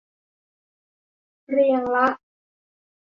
เรียงละ